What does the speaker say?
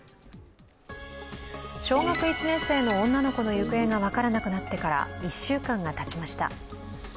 小学１年生の女の子の行方が分からなくなってから１週間がたちました。